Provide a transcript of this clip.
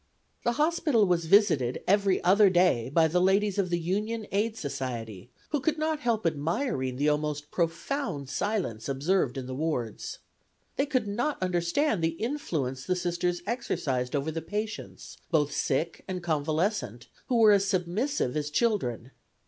The hospital was visited every other day by the ladies of the Union Aid Society, who could not help admiring the almost profound silence observed in the wards. They could not understand the influence the Sisters exercised over the patients, both sick and convalescent, who were as submissive as children.